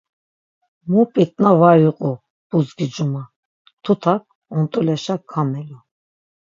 Mu p̆itna var iqu budzgi cuma, tutak ont̆uleşa kamelu.